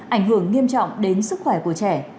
ảnh hưởng nghiêm trọng đến sức khỏe của trẻ